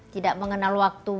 tidak mengenal waktu